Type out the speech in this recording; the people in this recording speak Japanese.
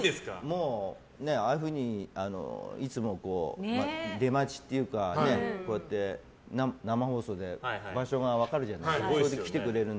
もうああいうふうにいつも出待ちっていうかこうやって生放送で場所が分かるじゃないですか。